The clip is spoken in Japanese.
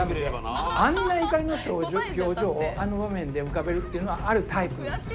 あんな怒りの表情をあの場面で浮かべるっていうのはあるタイプなんですよ。